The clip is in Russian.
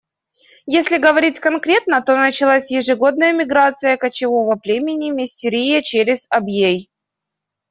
Если говорить конкретно, то началась ежегодная миграция кочевого племени миссерия через Абьей.